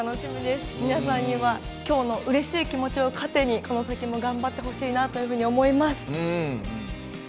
皆さんには今日のうれしい気持ちを糧にこの先も頑張ってほしいなと思います。